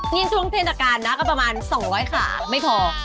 นี่ช่วงเทศกาลนะก็ประมาณ๒๐๐ขาไม่พอ